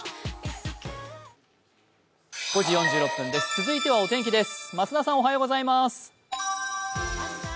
続いてはお天気です。